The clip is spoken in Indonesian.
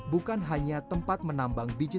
bukan hanya tempat menambang biji